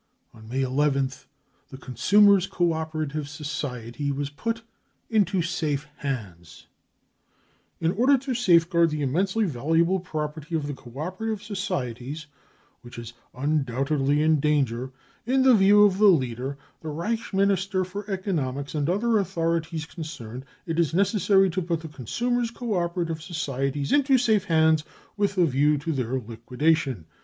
On May nth the Consumers 5 Co operative Society was put 6 c into safe hands 55 :' 6 In order to safeguard the immensely valuable property of the Co operative Societies, Which is undoubtedly in danger, in the view of the leader, the Reich Minister for Economics and other authorities concerned, it is necessary to put the Consumers 5 Co operative Societies * into safe hands with a view to their liquidation.